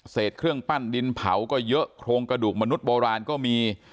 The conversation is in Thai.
เครื่องปั้นดินเผาก็เยอะโครงกระดูกมนุษย์โบราณก็มี